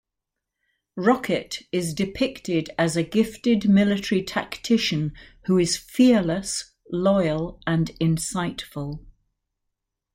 Rocket is depicted as a gifted military tactician who is fearless, loyal, and insightful.